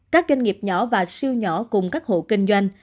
các doanh nghiệp nhỏ và siêu nhỏ cùng các hộ kinh doanh